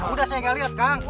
udah saya gak lihat kang